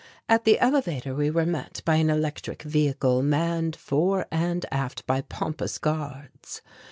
At the elevator we were met by an electric vehicle manned fore and aft by pompous guards.